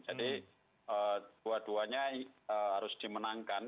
jadi dua duanya harus dimenangkan